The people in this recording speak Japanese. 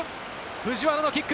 藤原のキック。